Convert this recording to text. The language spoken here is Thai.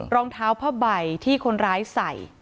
รองเท้าผ้าใบที่คนร้ายใส่